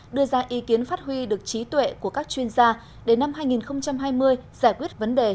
đưa ra ý kiến phát huy được trí tuệ của các chuyên gia để năm hai nghìn hai mươi giải quyết vấn đề